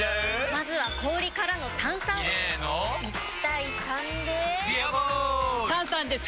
まずは氷からの炭酸！入れの１：３で「ビアボール」！